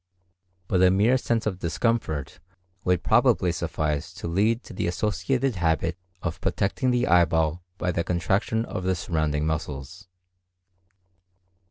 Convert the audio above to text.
But a mere sense of discomfort would probably suffice to lead to the associated habit of protecting the eyeball by the contraction of the surrounding muscles.